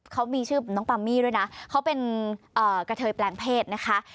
เขามีชื่อน้องปามมี่ด้วยนะเขาเป็นกะเทยแปลงเพศนะคะ